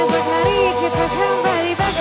esok hari kita kembali bekerja